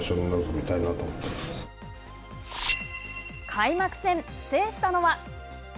開幕戦、制したのは！